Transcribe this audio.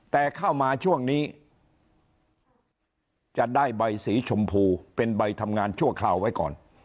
แต่เข้ามาช่วงนี้จะได้ใบสีชมพูเป็นใบทำงานชั่วคราวไว้ก่อน